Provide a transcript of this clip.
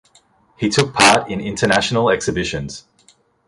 He took part in international exhibitions.